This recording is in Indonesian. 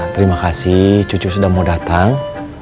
terima kasih cucu sudah mau datang